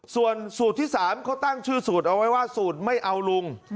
ส่วนสูตรที่๓เขาตั้งชื่อสูตรเอาไว้ว่าสูตรไม่เอาลุง